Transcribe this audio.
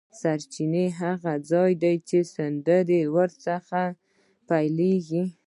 سرچینه هغه ځاي دی چې سیند ور څخه پیل کیږي.